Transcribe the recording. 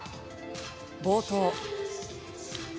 冒頭。